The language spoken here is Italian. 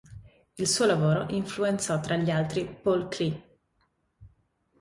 Il suo lavoro influenzò tra gli altri Paul Klee.